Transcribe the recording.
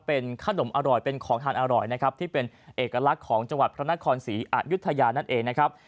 เป็นขนมอร่อยเป็นของทานอร่อยนะครับที่เป็นเอกลักษณ์ของจังหวัดพระนครศรีอายุทยานั่นเองนะครับ